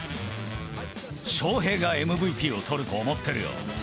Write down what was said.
ショウヘイがＭＶＰを取ると思ってるよ。